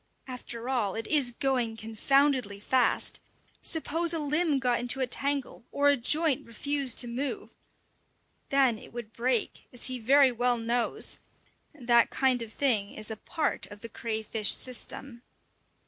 After all, it is going confoundedly fast! Suppose a limb got into a tangle, or a joint refused to move! Then it would break, as he very well knows: that kind of thing is a part of the crayfish system!